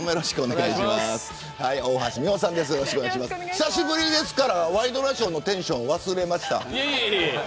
久しぶりでワイドナショーのテンション忘れましたか。